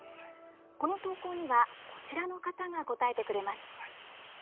この投稿にはこちらの方が答えてくれます。